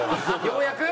ようやく？